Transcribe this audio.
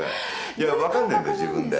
いや、分かんないんだよ、自分で。